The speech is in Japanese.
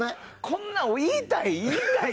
こんなん言いたい！